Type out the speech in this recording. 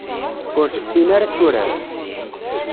Ur tessin ara ad turar.